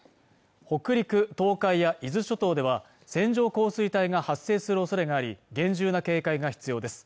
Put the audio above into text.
北陸、東海や伊豆諸島では線状降水帯が発生する恐れがあり厳重な警戒が必要です